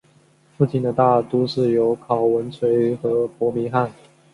附近的大都市有考文垂和伯明翰。